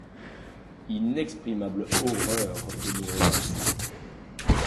Inexprimable horreur de mourir ainsi!